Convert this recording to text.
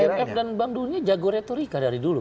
imf dan bank dunia jago retorika dari dulu